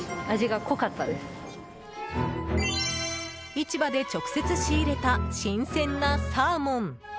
市場で直接仕入れた新鮮なサーモン。